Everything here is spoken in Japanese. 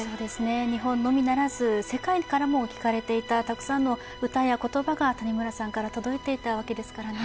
日本のみならず、世界からも聴かれていたたくさんの歌や言葉が谷村さんから届いていたわけですからね。